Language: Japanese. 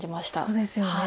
そうですよね。